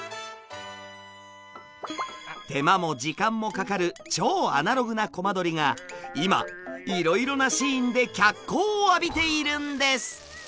手間も時間もかかる超アナログなコマ撮りが今いろいろなシーンで脚光を浴びているんです！